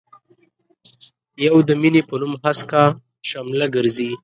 يو د مينې په نوم هسکه شمله ګرزي.